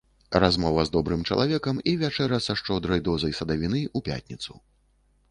Размова з добрым чалавекам і вячэра са шчодрай дозай садавіны ў пятніцу.